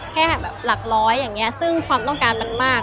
แค่หลักร้อยซึ่งความต้องการมันมาก